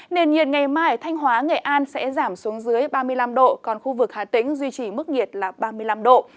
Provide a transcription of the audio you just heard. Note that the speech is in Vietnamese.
nền nhiệt ngày mai ở thanh hóa nghệ an sẽ giảm xuống dưới ba mươi năm độ còn khu vực hà tĩnh duy trì mức nhiệt là ba mươi năm độ